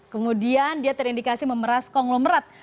kemudian dia terindikasi memeras konglomerat